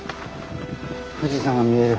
富士山が見える。